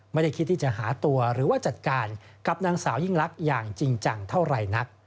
ไม่ได้คิดที่จะหาตัวหรือว่าจัดการกับนางสาวยิ่งลักษณ์อย่างจริงจังเท่าไหร่นัก